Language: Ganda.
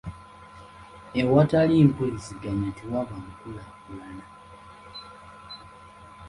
Awatali mpuliziganya tewaba nkulaakulana.